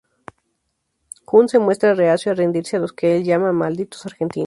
Hunt se muestra reacio a rendirse a los que el llama "malditos argentinos".